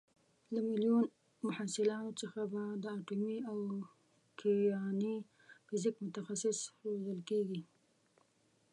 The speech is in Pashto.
له میلیون محصلانو څخه به د اټومي او کیهاني فیزیک متخصص روزل کېږي.